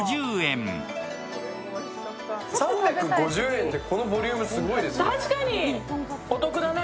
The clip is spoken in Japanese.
３５０円でこのボリュームすごいですね。